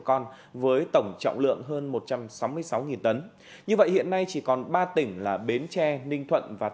con với tổng trọng lượng hơn một trăm sáu mươi sáu tấn như vậy hiện nay chỉ còn ba tỉnh là bến tre ninh thuận và